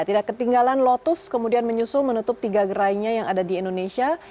tidak ketinggalan lotus kemudian menyusul menutup tiga gerainya yang ada di indonesia